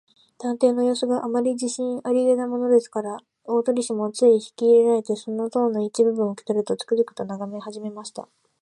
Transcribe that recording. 探偵のようすが、あまり自信ありげだものですから、大鳥氏もつい引きいれられて、その塔の一部分を受けとると、つくづくとながめはじめました。